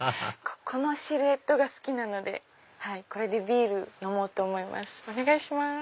このシルエットが好きなのでこれでビール飲もうと思いますお願いします。